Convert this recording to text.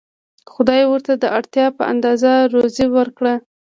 خدای ورته د اړتیا په اندازه روزي ورکړه.